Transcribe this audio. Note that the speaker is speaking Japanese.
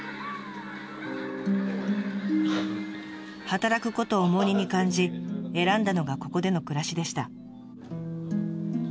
働くことを重荷に感じ選んだのがここでの暮らしでした。